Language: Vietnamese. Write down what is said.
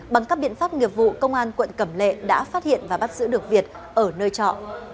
bằng các biện pháp nghiệp vụ công an quận cẩm lệ đã phát hiện và bắt giữ được việt ở nơi trọ